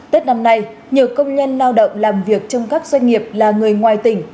tết năm nay nhiều công nhân lao động làm việc trong các doanh nghiệp là người ngoài tỉnh